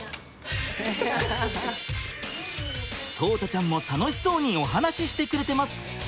聡太ちゃんも楽しそうにお話ししてくれてます！